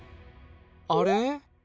あれ？